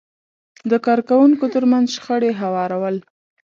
د کار کوونکو ترمنځ شخړې هوارول،